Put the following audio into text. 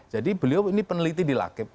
jadi beliau ini peneliti di lakip